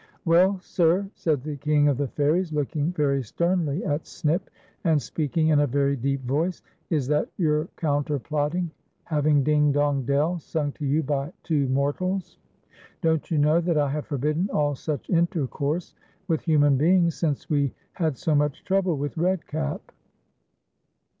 " Well, sir," said the King of the Fairies, looking very sternh at Snip, and speaking in a ver\' deep voice, " is that your counterplotting, having ' Ding, dong, dell,' sung to you by two mortals? Don't you know that I have forbidden all such intercourse with human beings since we had so much trouble with Red Cap?"